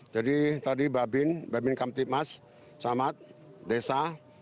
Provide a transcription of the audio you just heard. jadi tadi babin babin kamtipmas samad desa